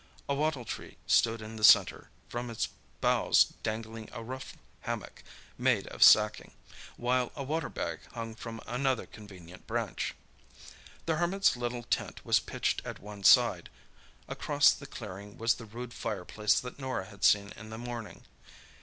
A wattle tree stood in the centre, from its boughs dangling a rough hammock, made of sacking, while a water bag hung from another convenient branch. The Hermit's little tent was pitched at one side; across the clearing was the rude fireplace that Norah had seen in the morning.